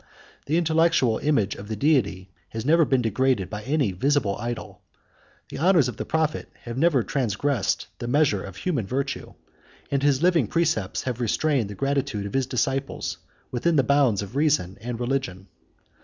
The intellectual image of the Deity has never been degraded by any visible idol; the honors of the prophet have never transgressed the measure of human virtue; and his living precepts have restrained the gratitude of his disciples within the bounds of reason and religion.